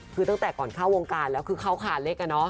คือตั้งแต่ก่อนเข้าวงการแล้วคือเขาขาเล็กอะเนาะ